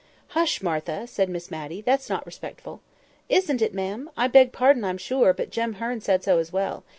"Hush, Martha!" said Miss Matty, "that's not respectful." "Isn't it, ma'am? I beg pardon, I'm sure; but Jem Hearn said so as well.